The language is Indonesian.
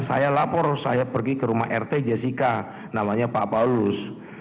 saya lapor saya pergi ke rumah rt jessica namanya pak paulus